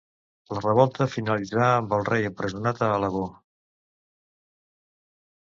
La revolta finalitzà amb el rei empresonat a Alagó.